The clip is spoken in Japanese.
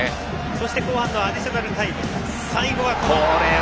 そして後半アディショナルタイム。